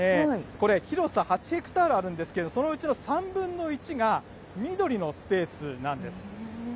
これ、広さ８ヘクタールあるんですけど、そのうちの３分の１が、緑のスペースなんです。